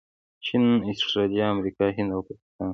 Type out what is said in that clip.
چین، اسټرلیا، امریکا، هند او پاکستان